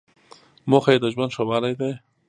موخه یې د ژوند ښه والی دی.